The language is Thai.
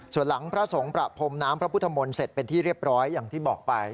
ส่วนหลังพระสงฆ์ประพรมน้ำพระพุทธมนต์เสร็จเป็นที่เรียบร้อยอย่างที่บอกไป